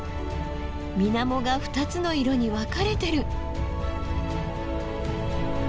みなもが２つの色に分かれてる。